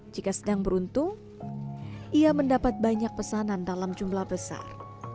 jika sedang beruntung ia mendapat banyak pesanan dalam jumlah besar